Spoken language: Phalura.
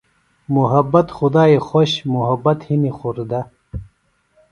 محبت خُدائی خوش محبت ہِنیۡ خوردہ۔